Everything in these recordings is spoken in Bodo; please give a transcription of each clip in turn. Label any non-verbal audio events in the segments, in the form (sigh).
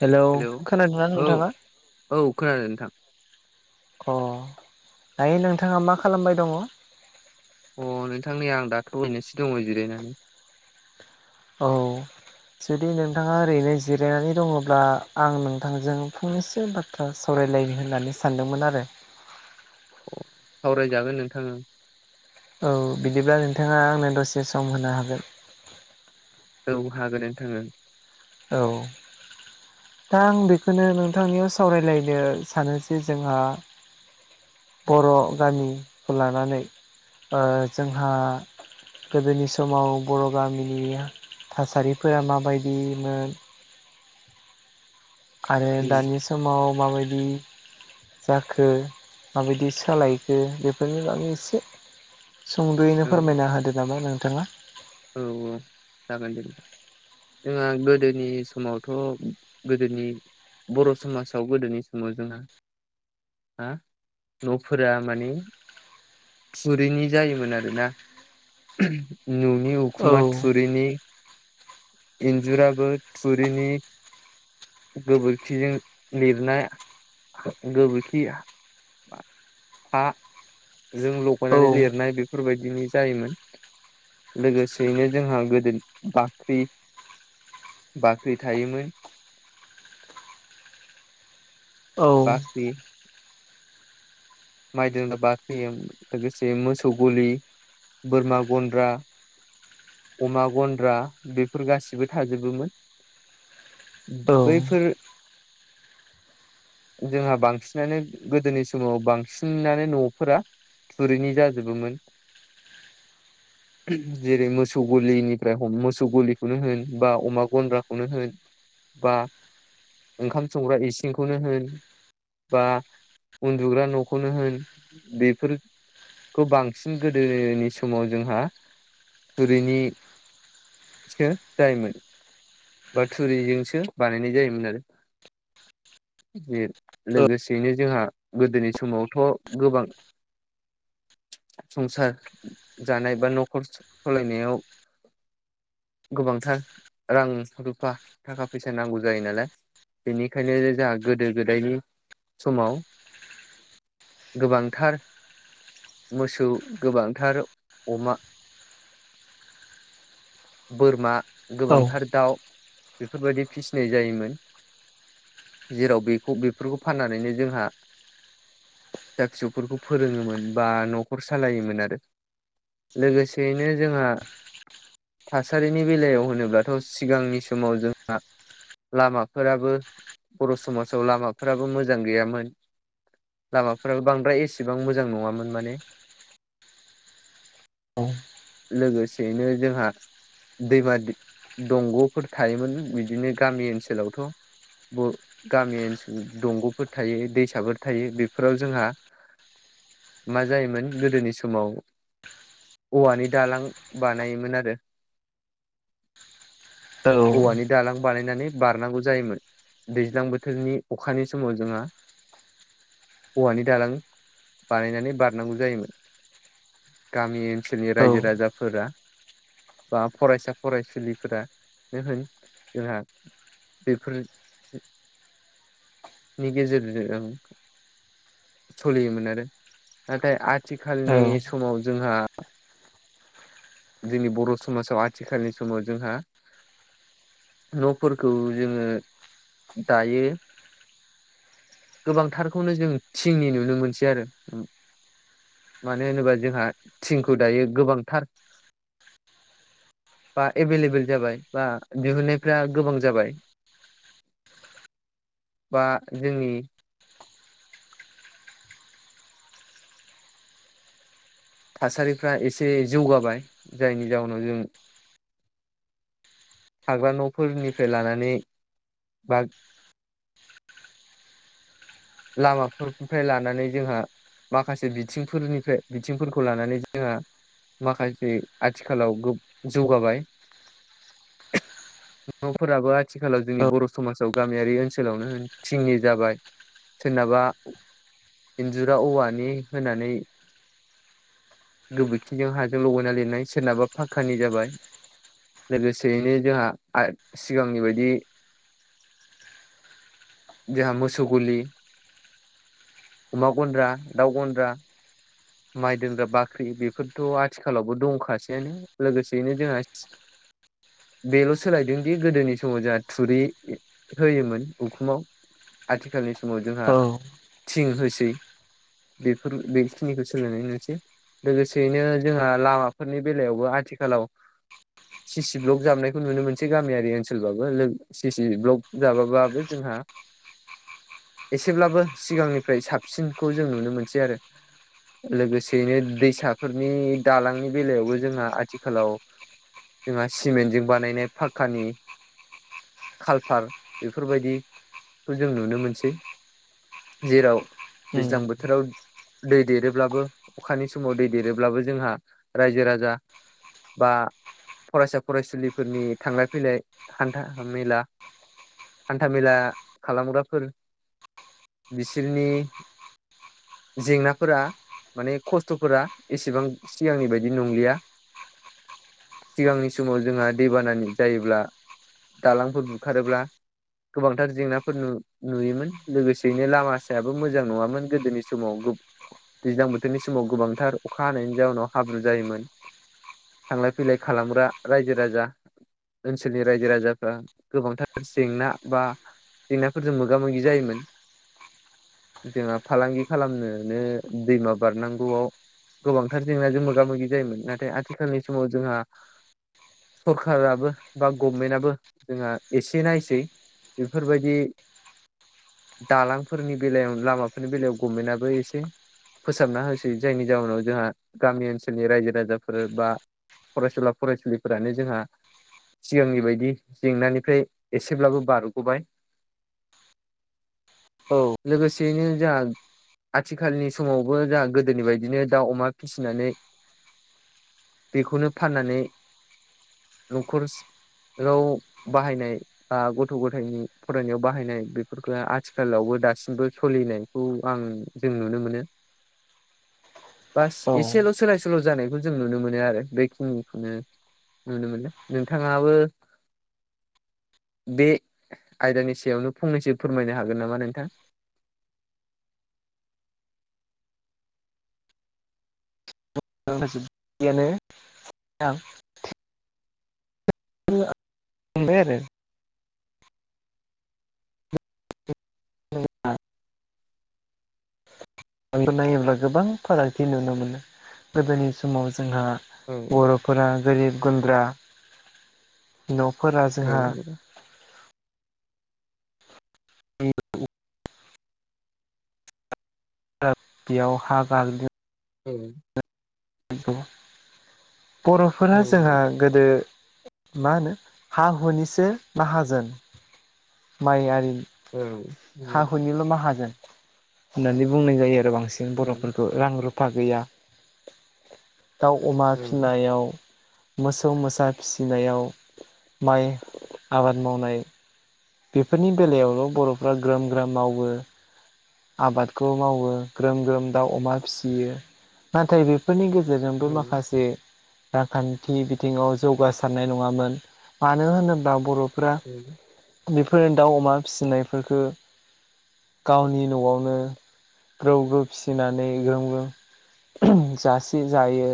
हेलौ खोनादोंना औ नोंथाङा? औ खोनादों नोंथां अ दायो नोंथाङा मा खालामबाय दङ? अ नोंथां नै आं दाथ' हैनोसो दङ जिरायनानै। औ। जुदि नोंथाङा ओरैनो जिरायनानै दङब्ला आं नोंथांजों फंनैसो बा थ्रा सावरायलायनो होननानै सानदोंमोन आरो। अ सावरायजागोन नोंथां ओं। औ बिदिब्ला नोंथाङा आंनो दसे सम होनो हागोन? औ हागोन नोथां ओं। औ दा आं बेखोनो नोंथांनियाव सावरायलायनो सानो जे जोंहा बर' गामिखौ लानानै ओ जोंहा गोदोनि समाव बर' गामिनि थासारिफोरा माबायदिमोन आरो उम दानि समाव माबायदि जाखो माबायदि सोलायखो बेफोरनि बागै एसे सुंद'यैनो औ फोरमायना होदो नामा नोंथाङा औ औ जागोन दे जोंहा गोदोनि समावथ' गोदोनि बर' समाजाव गोदोनि समाव जोंहा हा न'फोरा माने थुरिनि जायोमोन आरोना न'नि उखुमा औ थुरिनि इन्जुराबो थुरिनि गोबोरखिजों लिरनाय गोबोरखि हा जों औ लगायनानै लिरनाय बेफोरबायदिनि जायोमोन लोगोसेयैनो जोंहा गोदो बा ख्रि बाख्रि थायोमोन औ बाख्रि माइ दोनग्रा बाख्रि लोगोसे मोसौ गलि बोरमा गन्द्रा अमा गन्द्रा बेफोर गासिबो थाजोबोमोन औ बैफोर (inaudible) जोंहा बांसिनानो गोदोनि समाव बांसिन नानो न'फोरा थुरिनि जाजोबोमोन जेरै मोस मोसौ गलिनिफ्राय हम मोसौ गलिखौनो होन बा अमा गन्द्राखौनो होन बा ओंखाम संग्रा इसिंखौनो होन बा उन्दुग्रा न'खौनो होन बेफोर खौ बांसिन गोदोनि समाव जोंहा थोरैनि सो जायोमोन बा थुरिजोंसो बानायनाय जायोमोन आरो बेे लोगोसेयैनो जोंहा गोदोनि समावथ' गोबां (inaudible) संसार जानाय बा न'खर सामलायनायाव गोबांथार रां रुफा थाखा फैसा नांगौ जायो नालाय बेनिखायनो जाहा गोदो गोदायनि समाव गोबांथार मोसौ गोबांथार अमा बोरमा औ गोबांथार दाउ बेफोरबायादि फिसिनाय जायोमोन जेराव बेखौ बेफोरखौ फाननानैनो जोंहा फिसा फिसौफोरखौ फोरोङोमोन बा न'खर सालायोमोन आरो लोगोसेयैनो जोंहा थासारिनि बेलायाव होनोब्लाथ' सि सिगांनि समाव जोंहा लामाफोराबो बर' समाजाव लामाफोराबो मोजां गैयामोन लामाफोराबो बांद्राय एसिबां मोजां नङामोन माने लोगोसेैनो जोंहा दैमा द दंग'फोर थायोमोन बिदिनो गामि ओनसोलावथ' ब गामि ओनसोल दंग'फोर थायो दैसाफोर थायो बेफोराव जोंहा मा जायोमोन गोदोनि समाव औवानि दालां बानायोमोन आरो औवानि दालां बानायनानै बारनांगौ जायोमोन दैज्लां बोथोरनि अखानि समाव जोंहा औवानि दालां बानायनानै बारनांगौ जायोमोन गामि ओनसोलनि औ रायजो राजाफोरा बा फरायसा फरायसुलि फोरा नोहोन जोंहा बेफोर नि गेजेरजों सोलियोमोन आरो नाथाय आथिखालनि समाव जोंहा जोंनि बर' समाजाव आथिखालनि समाव जोंहा न'फोरखौ जोङो दायो गोबांथारखौनो जों थिंनि नुनो मोनसै आरो मानो होनोबा जोंहा थिंखौ दायो गोबांथार बा एबेलेबोल जाबाय बा दिहुनन्नायफ्रा गोबां जाबाय बा जोंनि थासारिफ्रा एसे जौगाबाय जायनि जाउनाव जों थाग्रा न'फोरनिफ्राय लानानै बा लामाफोरनिफ्राय लानानै जोंहा माखासे बिथिंफोरनिफ्राय बिथिंफोरखौ लानानै जोंहा माखासे आथिखालाव गोब जौगाबाय (inaudible) न'फोराबो आथिखालाव जोंनि बर' समाजाव गामियारि ओनसोलावनोहोन थिंनि जाबाय सोरनाबा इन्जुरा औवानि होनानै गोबोरखिजों हाजों लगायना लिरनाय सोरनाबा फाक्कानि जाबाय लोगोसेयैनो जोंहा आ सिगांनि बायदि जोंहा मोसौ गलि अमा गन्द्रा दाउ गन्द्रा माइ दोनग्रा बाख्रि बेफोरथ' आथिखालावबो दंखासैआनो लोगोसेयैनो जोंहा बेल' सोलायदों दि गोदोनि समाव जोंहा थुरि होयोमोन उखुमाव आथिखालनि स समाव जोंहा औ थिं होसै बेफोर बे निखौ सोलायनाय नुनसै लोगोसेयैनो जोंहा लामाफोरनि बेलायावबो आथिखालाव सिसि ब्लक जाबनायखौ नुनो मोनसै गामियारि ओनसोलबाबो लोग सि सि ब्लक जाबाबाबो जोंहा (inaudible) एसेब्लाबो सिगांनिफ्राय साबसिनखौ जों नुनो मोनसै आरो लोगोसेयैनो दैसाफोरनि दालांनि बेलायावबो जोंहा आथिखालाव जोंहा सिमेन्टजों बानायनाय फाक्कानि कालफार बेफोरबायदिखौ जों नुनो मोनसै। जेराव उम दैज्लां बोथोराव दै देरोब्लाबो अखानि समाव दै देरोब्लाबो जोंहा रायजो राजा बा फरायसा फरायसुलिफोरनि थांलाय फैलाय हान्था मेला हान्थामेला खालामग्राफोर बिसोरनि जेंना फोरा माने खस्थ'फोरा एसेबां सिगांनि बायदि नंलिया। सिगांनि समाव जोंहा दैबानानि जायोब्ला दालांफोर बुखारोब्ला गोबांथार जेंनाफोर नु-नुयोमोन लोगोसेयैनो लामा सायाबो मोजां नङामोन गोदोनि समाव गोब दैज्लां बोथोरनि समाव गोबांथार अखा हानायनि जाउनाव हाब्रु जायोमोन। थांलाय फैलाय खालामग्रा रायजो राजा ओनसोलनि रायजो राजाफ्रा गोबांथार जेंना बा जेंनाफोरजों मोगा मोगि जायोमोन जोंहा फालांगि खालामनो बे दैमा बारनांगौआव गोबांथार जेंनाजों मोगा मोगि जायोमोन नाथाय आथिखालनि समाव जोंहा सरखाराबो बा गभमेन्टआबो जोंहा एसे नायसै बेफोरबायदि दालांफोरनि बेलायाव लामाफोरनि बेलायाव गभमेन्टआबो एसे फोसाबना होसै जायनि जउनाव जोंहा गामि ओनसोलनि रायजो राजाफोर बा फरायसुला फरायसुलिफोरानो जोंहा सिगांनि बायदि जेंनानिफ्राय एसेब्लाबो बारग'बाय औ। लोगोसेयैनो जोंहा आथिखालनि समावबो जों गोदोनि बायदिनो दाउ अमा फिसिनानै बेखौनो फाननानै न'खर नखराव बाहायनाय बा गथ' गथायनि फरायनायाव बाहायनाय बेफोरखौ आथिखालावबो दासिमबो सोलिनायखौ आं जों नुनो मोनो बास औ एसेल' सोलाय जानायखौ जों नुनो मोनो आरो बेखिनिखौनो नुनो मोनो नोंथाङाबो बे आयदानि सायावनो फंनैसो फोरमायनो हागोन नामा नोंथां? (inaudible) मोनबाय आरो नंगौ नामा? खौ नायोब्ला गोबां फारागथि नुनो मोनो गोदोनि समाव जोंहा औ बर' फोरा गोरिब गुन्द्रा न'फोरा औ जोंहा (inaudible) बेयाव हा गाग्लि औ बर'फोरा औ जोंहा गोदो मा होनो हा हुनिसो माहाजोन माइ आरि औ हा हुनिल' माहाजोन। होननानै बुंनाय जायो आरो बांसिन औ बर'फोरखौ रां रुफा गैया दाउ अमा औ फिनायाव मोसौ मोसा फिसिनायाव माइ आबाद मावनाय बेफोरनि बेलायावल' बर'फ्रा ग्रोम ग्राम मावो। आबादखौ मावो ग्रोम ग्रोम दाउ अमा फिसियो। नाथाय बेफोरनि गेजेरजोंबो माखासे रांखान्थि बिथिङाव जौगासारनाय नङामोन मानो होनोब्ला औ बर' फोरा दाउ अमा फिसिनायफोरखौ गावनि न'आवनो ग्रौ ग्रौ फिसिनानै ग्रोम ग्रोम जासि जायो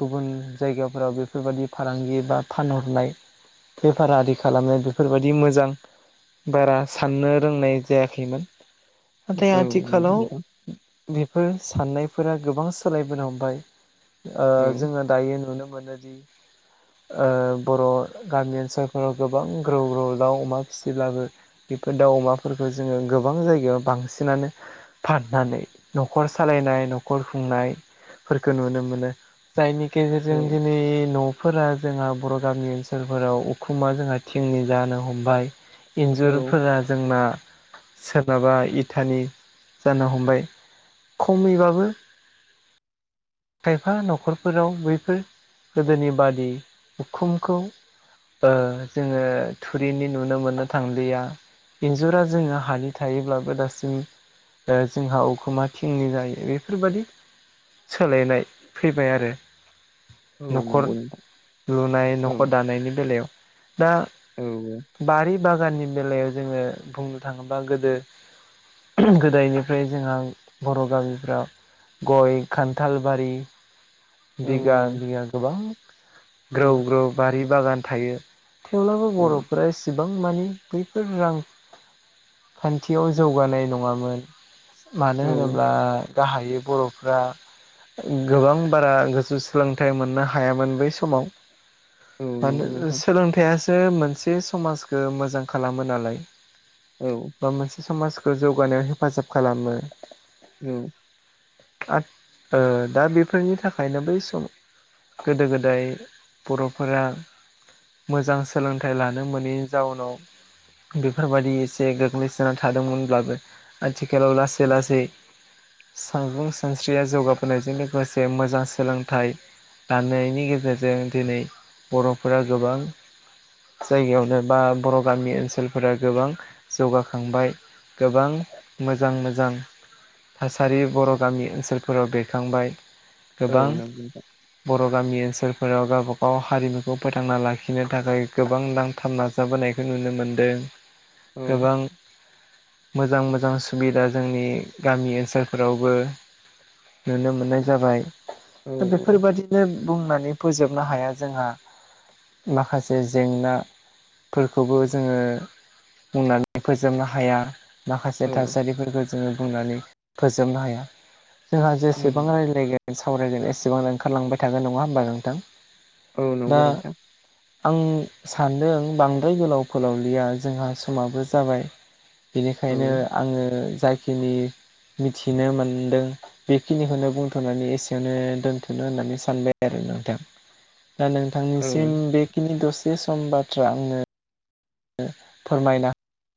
गुबुन जायगाफोराव बेफोरबायादि फालांगि बा फानहरनाय पेफार आरि खालामनाय बेफोरबायदि मोजां बारा साननो रोंनाय जायाखैमोन नाथाय औ आथिखालाव बेफोर साननायफोरा गोबां सोलायबोनो हमबाय ओ जोङो दायो नुनो मोनोदि ओ बर' गामि ओनसोलफोराव गोबां ग्रौ ग्रौ दाउ अमा फिसिब्लाबो बेफोर दाउ अमाफोरखौ जोङो गोबां जायगायाव बांसिनानो फाननानै न'खर सालायनाय न'खर खुंनायफोरखौ नुनो मोनो। जायनि गेजेरजों दिनै न' फोर जोंहा बर' गामि ओनसोलफोराव उखुमा जोंहा थिंनि जानो हमबाय। इन्जुरफोरा जोंना सोरनाबा इटानि जानो हमबाय खमैबाबो एफा न'खरफोराव बैफोर गोदोनि बादि उखुमखौ ओ जोङो थुरिनि नुनो मोननो थांलिया। एन्जुरा जोङो हानि थायोब्लाबो दासिम ओ जोंहा अखुमा थिंनि जायो बेफोरबादि सोलायनाय फैबाय आरो नखर नंगौ नोंथां लुनाय औ नखर दानायनि बेलायाव। दा औ बारि बागाननि बेलायाव जोङो बुंनो थाङोब्ला गोदो गोदोनिफ्राय जोंहा बर' गामिफोराव गय खान्थालबारि औ बिगा नंगौ बिगा गोबां ग्रौ ग्रौ बारि बागान थायो। थेवब्लाबो नोंथां औ बर'फोरा एसेबां मानि बैफोर रां खान्थियाव जौगानाय नङामोन। मानो औ औ होनोब्ला गाहायै बर'फ्रा गोबां बारा गोजौ सोलोंथाइ मोननो हायामोन बै समाव। नंगौ मानो नोंथां सोलोंथाइयासो मोनसे समाजखौ मोजां खालामो नालाय। औ। बा मोनसे समाजखौ जौगानायाव हेफाजाब खालामो। उम। आथ ओ दा बे बेफोरनि थाखायनो बै सम गोदो गोदाय बर'फोरा मोजां सोलोंथाइ लानो मोनैनि जाउनाव बेफोरबायदि एसे गोग्लैसोना थादोंमोनब्लाबो आथिखालाव लासै लासै सांगुं सानस्रिया जौगाबोनायजों लोगोसे मोजां सोलोंथाइ गाननायनि गेजेरजों दिनै बर'फोरा गोबां जायगायावनो बा बर' गामि ओनसोलफोरा गोबां जौगाखांबाय। गोबां मोजां मोजां थासारि बर' गामि ओनसोलफोराव बेरखांबाय। गोबां औ नंगौ नोंथां बर' गामि ओनसोलफोराव गावबागाव हारिमुखौ फोथांना लाखिनो थाखाय गोबां नां थाब नाजाबोनायखौ नुनो मोनदों। औ गोबां मोजां मोजां सुबिदा जोंनि गामि ओनसोलफोरावबो नुनो मोननाय जाबाय। औ दा बेफोरबादि नो बुंनानै फोजोबनो हाया जोंहा। माखासे जेंनाफोरखौबो जोङो बुंनानै फोजोबनो हाया। माखासे औ थासारिफोरखौ जोङो बुंनानै फोजोबनो हाया। जोंहा जेसेबां राय लायगोन सावरायगोन एसेबां ओंखारलांबाय थागोन नङा होमबा नोंथां। औ दा नंगौ नोंथां आं सानदों बांद्राय गोलाव फोलावलिया जोंहा समाबो जाबाय। औ बेनिखायनो आङो जाय खिनो मिथिनो मोनदों बेखिनिखोनो बुंथ'नानै एसेयावनो दोनथ'नो होननानै सानबाय आरो नोंथां। दा औ नोंथांनिसिम बे खिनि दसे सम बाथ्रा आंनो फोरमायना